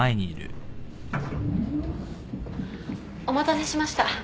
お待たせしました。